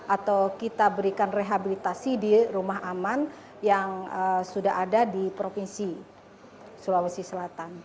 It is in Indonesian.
atau kita berikan rehabilitasi di rumah aman yang sudah ada di provinsi sulawesi selatan